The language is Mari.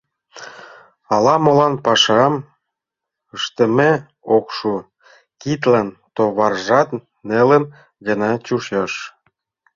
Ала-молан пашам ыштыме ок шу, кидлан товаржат нелын гына чучеш.